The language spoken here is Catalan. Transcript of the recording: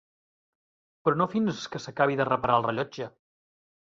Però no fins que s'acabi de reparar el rellotge.